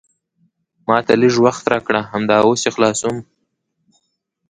ما ته لیژ وخت راکړه، همدا اوس یې خلاصوم.